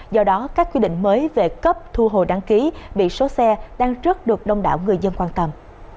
do đó các quy định mới về cấp thu hồ đăng ký bị số xe đang rất được đông đảo người dân quan tâm